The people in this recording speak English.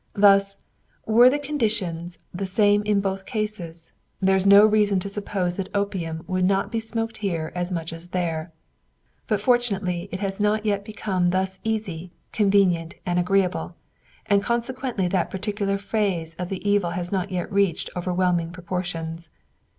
Thus, were the conditions the same in both cases, there is no reason to suppose that opium would not be smoked here as much as there; but fortunately it has not yet become thus easy, convenient, and agreeable, and consequently that particular phase of the evil has not yet reached overwhelming proportions.